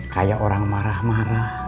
kayak orang marah marah